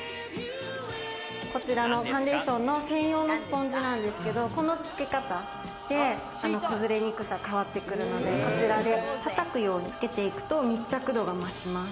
こちらのファンデーションの専用のスポンジなんですけど、このつけ方で崩れにくさ変わってくるので、こちらで叩くように付けていくと密着度が増します。